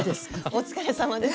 お疲れさまです。